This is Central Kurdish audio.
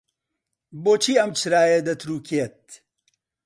بۆچی ئەم چرایە دەترووکێت؟